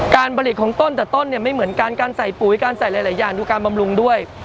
การผลิตของต้นแต่ต้นเนี่ยไม่เหมือนกันการใส่ปุ๋ยการใส่หลายอย่างดูการบำรุงด้วย